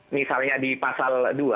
misalnya di pasal dua